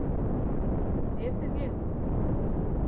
Кузе тыге?